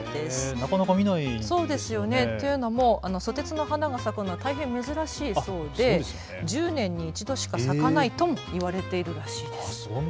なかなか見ないですね。というのもソテツの花が咲くのは大変珍しいそうで１０年に１度しか咲かないともいわれているらしいです。